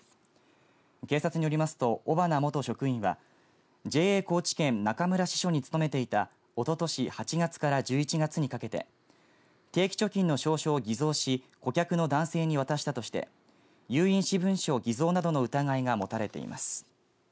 警察によりますと尾花元職員はＪＡ高知県中村支所に勤めていたおととし８月から１１月にかけて定期貯金の証書を偽造し顧客の男性に渡したとして有印私文書偽造などの疑いが持たれています。